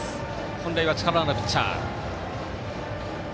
本来は力のあるピッチャー。